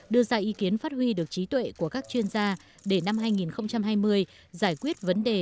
đưa ra ý kiến phát huy được trí tuệ của các chuyên gia để năm hai nghìn hai mươi giải quyết vấn đề